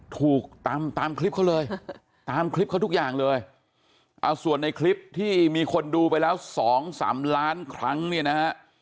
ถูกตามตามคลิปเขาเลยตามคลิปเขาทุกอย่างเลยเอาส่วนในคลิปที่มีคนดูไปแล้วสองสามล้านครั้งเนี่ยนะฮะ